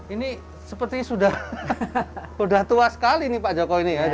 ini sepertinya sudah tua sekali nih pak jokowi ini ya